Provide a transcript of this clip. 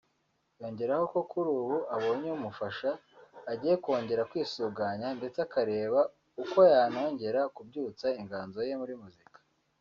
yongeraho ko kuri ubu abonye umufasha agiye kongera kwisuganya ndetse akareba uko yanongera kubyutsa inganzo ye muri muzika